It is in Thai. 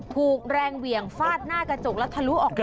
ถูกแรงเหวี่ยงฟาดหน้ากระจกแล้วทะลุออกมา